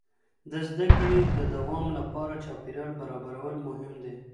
د زده کړې د دوام لپاره چاپېریال برابرول مهم دي.